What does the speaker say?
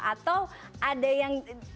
atau ada yang